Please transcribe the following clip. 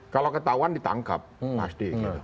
kalau ketahuan ditangkap pasti